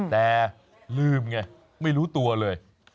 แต่ลืมไงไม่รู้ตัวเลย